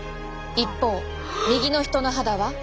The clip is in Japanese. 一方右の人の肌は。